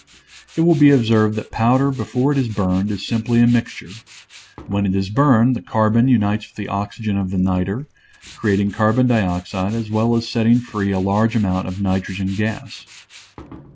It will be observed that powder before it is burned is simply a mixture; when it is burned the carbon unites with the oxygen of the niter, creating carbon dioxide as well as setting free a large amount of nitrogen gas.